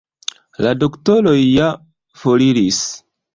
La doktoroj ja foriris.